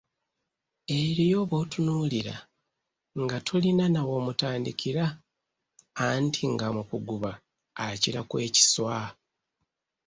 Eriyo b'otunuulira nga tolina na w'omutandikira, anti nga mu kuguba akirako ekiswa!